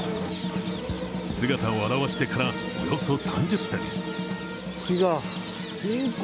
姿を現してから、およそ３０分。